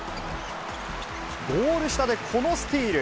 ゴール下でこのスティール。